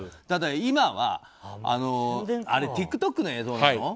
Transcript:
ただ、今はＴｉｋＴｏｋの映像なの？